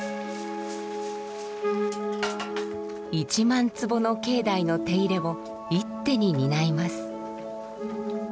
１万坪の境内の手入れを一手に担います。